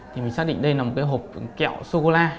thì mình xác định đây là một cái hộp kẹo sô cô la